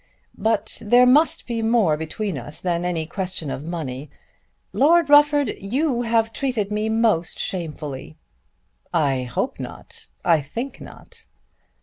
But there must be more between us than any question of money. Lord Rufford you have treated me most shamefully." "I hope not. I think not."